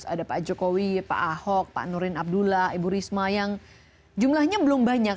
ada pak jokowi pak ahok pak nurin abdullah ibu risma yang jumlahnya belum banyak